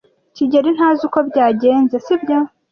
kigeli ntazi uko byagenze, sibyo?